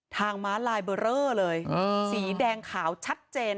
ม้าลายเบอร์เรอเลยสีแดงขาวชัดเจน